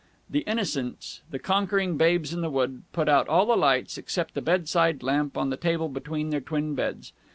The Innocents, the conquering babes in the wood, put out all the lights except the bedside lamp on the table between their twin beds.